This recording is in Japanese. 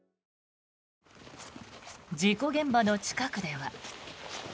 事故現場の近くでは。